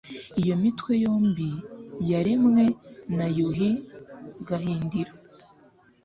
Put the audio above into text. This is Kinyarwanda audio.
iyo mitwe yombi yaremwe na yuhi gahindiro